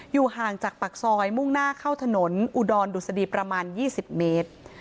ห่างจากปากซอยมุ่งหน้าเข้าถนนอุดรดุษฎีประมาณ๒๐เมตร